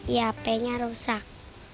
ya hapenya rusak